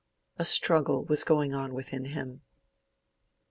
A struggle was going on within him.